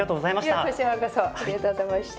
いやこちらこそありがとうございました。